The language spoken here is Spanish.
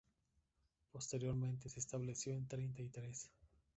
Posteriormente se estableció en Treinta y Tres.